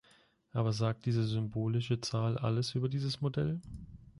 Aber sagt diese symbolische Zahl alles über dieses Modell?